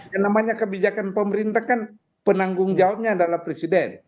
yang namanya kebijakan pemerintah kan penanggung jawabnya adalah presiden